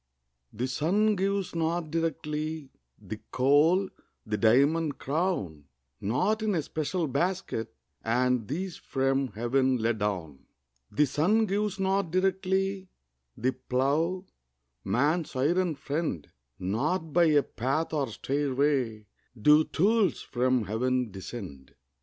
The sun gives not directly The coal, the diamond crown; Not in a special basket Are these from Heaven let down. The sun gives not directly The plough, man's iron friend; Not by a path or stairway Do tools from Heaven descend.